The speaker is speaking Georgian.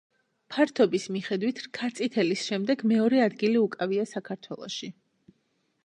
ფართობის მიხედვით რქაწითელის შემდეგ მეორე ადგილი უკავია საქართველოში.